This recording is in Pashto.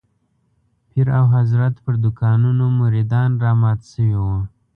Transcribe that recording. د پیر او حضرت پر دوکانونو مريدان رامات شوي وو.